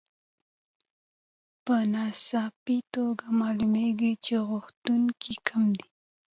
په ناڅاپي توګه معلومېږي چې غوښتونکي کم دي